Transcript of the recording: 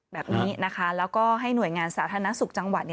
แบบนี้นะคะแล้วก็ให้หน่วยงานสาธารณสุขจังหวัด